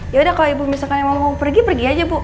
yaudah kalau ibu misalkan mau pergi pergi aja bu